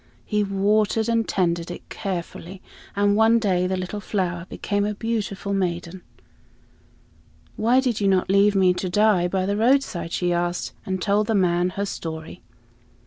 He watered and tended it carefully, and one day the little flower became a beautiful maiden. "Why did you not leave me to die by the roadside?" she asked, and told the old man her story.